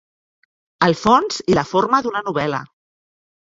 El fons i la forma d'una novel·la.